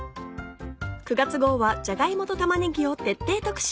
９月号はじゃが芋と玉ねぎを徹底特集。